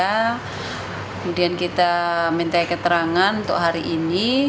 kemudian kita minta keterangan untuk hari ini